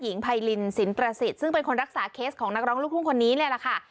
หญิงไพรินสินประสิทธิ์ซึ่งเป็นคนรักษาเคสของนักร้องลูกทุ่งคนนี้เลยล่ะค่ะ